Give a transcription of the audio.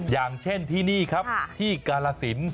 อย่างเช่นที่นี่ครับที่กาลสิน